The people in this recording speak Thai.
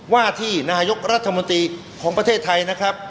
ว่าที่นายกรัฐมนตรีของประเทศไทยนะครับ